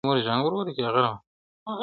د شهید قبر یې هېر دی له جنډیو.